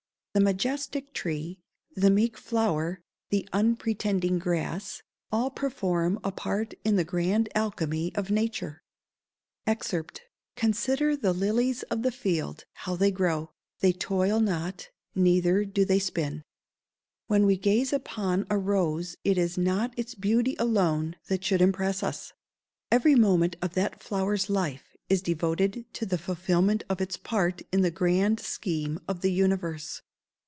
The majestic tree, the meek flower, the unpretending grass, all perform a part in the grand alchemy of nature. [Verse: "Consider the lilies of the field, how they grow; they toil not, neither do they spin."] When we gaze upon a rose it is not its beauty alone that should impress us: every moment of that flower's life is devoted to the fulfilment of its part in the grand scheme of the universe.